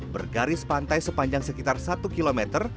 bergaris pantai sepanjang sekitar satu kilometer